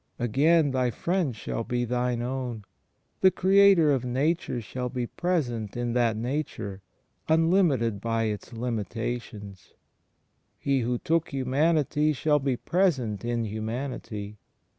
Again thy Friend shall be thine own. The Creator of Nature shall be present in that Nature, unlimited by its limi tations. He who took Hmnanity shall be present in Hmnanity.